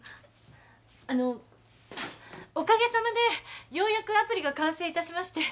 おかげさまでようやくアプリが完成いたしまして。